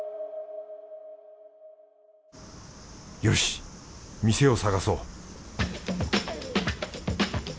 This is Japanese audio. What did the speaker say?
よし店を探そう